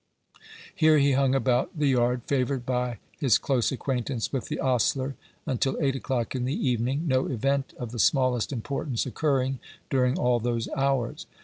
Here he hung about the yard, favoured by his close acquaintance with the ostler, until eight o'clock in the evening, no event of the smallest importance occurring during all those hours.